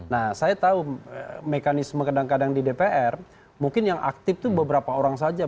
nah saya tahu mekanisme kadang kadang di dpr mungkin yang aktif itu beberapa orang saja